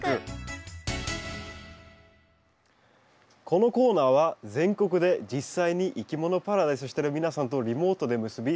このコーナーは全国で実際にいきものパラダイスしてる皆さんとリモートで結び